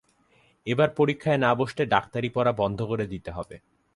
এবার পরীক্ষায় না বসলে ডাক্তারি পড়া বন্ধ করে দিতে হবে।